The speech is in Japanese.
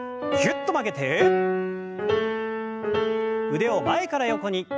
腕を前から横に。